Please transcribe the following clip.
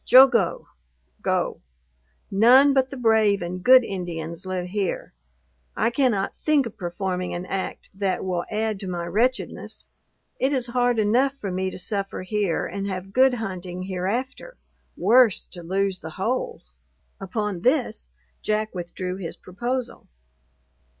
Jogo, (go,) none but the brave and good Indians live here!' I cannot think of performing an act that will add to my wretchedness. It is hard enough for me to suffer here, and have good hunting hereafter worse to lose the whole." Upon this, Jack withdrew his proposal.